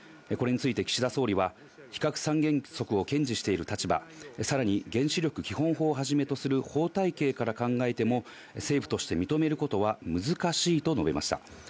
これについて岸田総理は非核三原則を堅持している立場、さらに原子力基本法をはじめとする法体系から考えても、政府として認めることは難しいと述べました。